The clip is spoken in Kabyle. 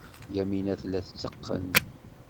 Yamina tella tetteqqen.